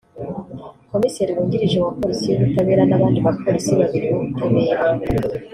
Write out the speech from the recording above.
komiseri wungirije wa polisi y’ubutabera n’abandi ba polisi babiri b’ubutabera